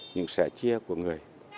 những sẻ chia của người